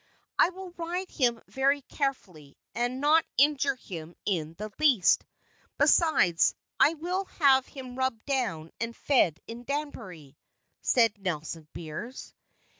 "I will ride him very carefully, and not injure him in the least; besides, I will have him rubbed down and fed in Danbury," said Nelson Beers.